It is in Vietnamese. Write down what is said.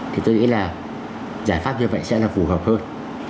thì tôi nghĩ là giải pháp như vậy sẽ là phù hợp hơn